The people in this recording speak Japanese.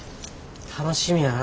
楽しみやな。